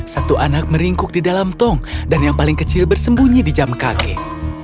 satu anak meringkuk di dalam tong dan yang paling kecil bersembunyi di jam kakek